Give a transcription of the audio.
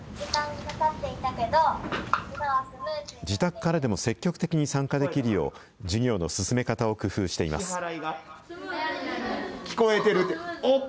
自宅からでも積極的に参加できるよう、授業の進め方を工夫しています。